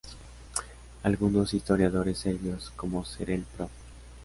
Algunos historiadores serbios, como ser el Prof.